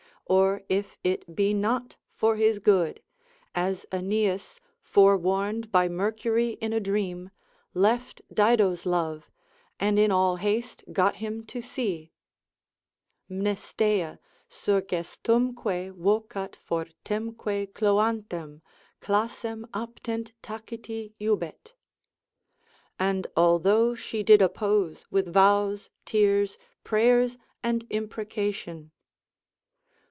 Or if it be not for his good, as Aeneas, forewarned by Mercury in a dream, left Dido's love, and in all haste got him to sea, Mnestea, Surgestumque vocat fortemque Cloanthem, Classem aptent taciti jubet——— and although she did oppose with vows, tears, prayers, and imprecation.